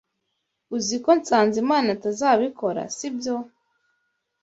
Uzi ko Sanzimana atazabikora, sibyo?